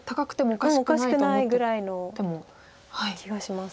おかしくないぐらいの気がします。